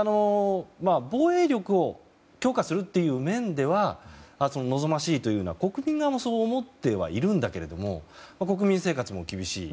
防衛力を強化するという面では望ましいというような国民側もそう思ってはいるんだけど国民生活も厳しい。